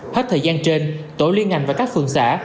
hết thời gian trên tổ liên ngành và các phường xã